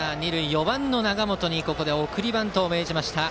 ４番の永本に送りバントを命じました